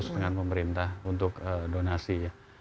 dengan pemerintah untuk donasi